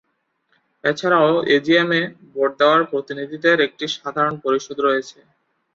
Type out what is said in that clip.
এছাড়াও এজিএম-এ ভোট দেওয়ার প্রতিনিধিদের একটি সাধারণ পরিষদ রয়েছে।